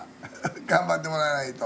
頑張ってもらわないと。